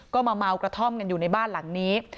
ก็มาเมากระท่อมกันอยู่ในบ้านหลังนี้